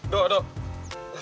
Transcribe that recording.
duh duh duh